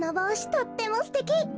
とってもすてき！